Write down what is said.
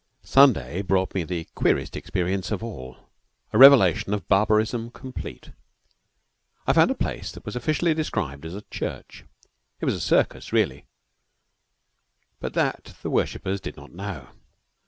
Sunday brought me the queerest experiences of all a revelation of barbarism complete. I found a place that was officially described as a church. It was a circus really, but that the worshippers did not know.